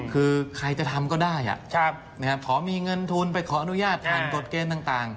คือใครจะทำก็ได้ขอมีเงินทุนไปขออนุญาตผ่านกฎเกณฑ์ต่าง